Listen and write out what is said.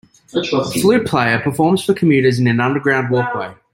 Flute player performs for commuters in an underground walkway.